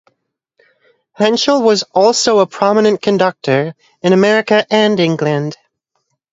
Henschel was also a prominent conductor, in America and England.